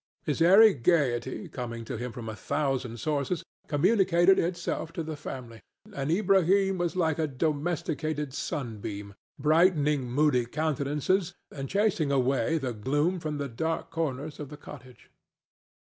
His airy gayety, coming to him from a thousand sources, communicated itself to the family, and Ilbrahim was like a domesticated sunbeam, brightening moody countenances and chasing away the gloom from the dark corners of the cottage.